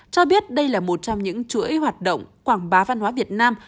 cho biết đây là một trong những chuỗi hoạt động quảng bá văn hóa việt nam